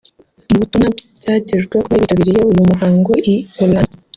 Mu butumwa byagejwe ku bari bitabiriye uyu muhango i Orlando